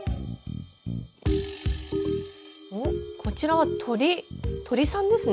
おっこちらは鳥さんですね。